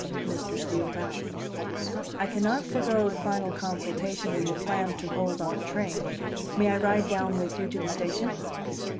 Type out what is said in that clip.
Mr. Steele bowed. "I can not forego the final consultation we had planned to hold on the train. May I ride down with you to the station?"